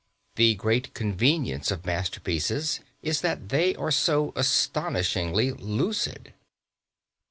The great convenience of masterpieces is that they are so astonishingly lucid.